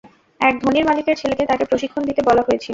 এক ধনীর মালিকের ছেলেকে তাকে প্রশিক্ষণ দিতে বলা হয়েছিল।